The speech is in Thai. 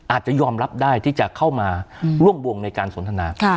อาจจะยอมรับได้ที่จะเข้ามาร่วมวงในการสนทนา